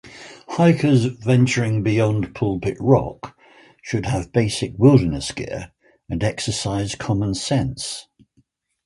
Hikers venturing beyond Pulpit Rock should have basic wilderness gear and exercise common sense.